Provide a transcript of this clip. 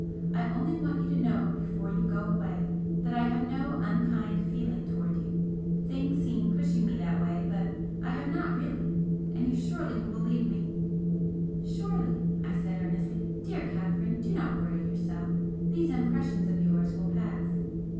I only want you to know before you go away that I have no unkind feeling towards you, things seem pushing me that way, but I have not really! and you surely will believe me " "Surely!" I said, earnestly "Dear Catherine, do not worry yourself! These impressions of yours will pass."